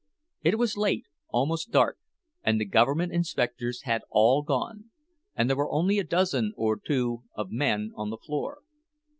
It was late, almost dark, and the government inspectors had all gone, and there were only a dozen or two of men on the floor.